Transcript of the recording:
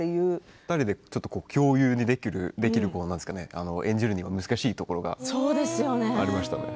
２人で共有できる演じるには難しいところがありました。